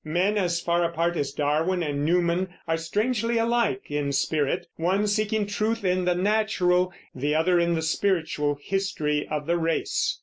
Men as far apart as Darwin and Newman are strangely alike in spirit, one seeking truth in the natural, the other in the spiritual history of the race.